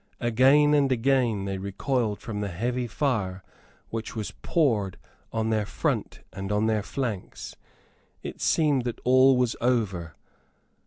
Again and again they recoiled from the heavy fire which was poured on their front and on their flanks. It seemed that all was over.